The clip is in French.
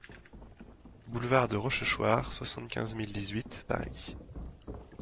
Boulevard de Rochechouart, soixante-quinze mille dix-huit Paris